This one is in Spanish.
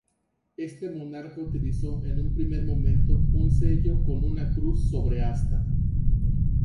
Este monarca utilizó en un primer momento un sello con una cruz sobre asta.